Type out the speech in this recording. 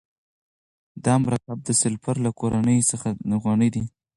دا مرکب د سلفر له کورنۍ دی.